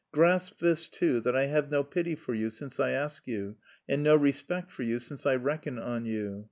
Grasp this, too, that I have no pity for you since I ask you, and no respect for you since I reckon on you.